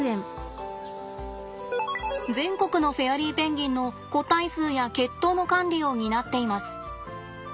全国のフェアリーペンギンの個体数や血統の管理を担っています。